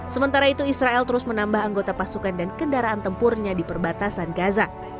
sementara itu israel terus menambah anggota pasukan dan kendaraan tempurnya di perbatasan gaza